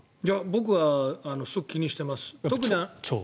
僕はすごく気にしてます。